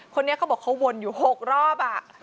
คนนี้เขาบอกเขาวนอยู่๖รอบ